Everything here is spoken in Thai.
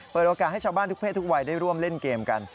เปิดโอกาสให้ชาวบ้านทุกเพศทุกวัยได้ร่วมเล่นเกมกัน